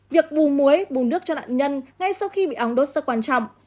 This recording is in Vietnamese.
việc bù muối bùn nước cho nạn nhân ngay sau khi bị ong đốt rất quan trọng